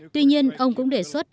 tuy nhiên ông cũng đề xuất